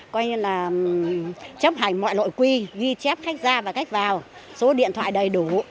quanh như là chấp hành mọi loại quy ghi chép khách ra và khách vào số điện thoại đầy đủ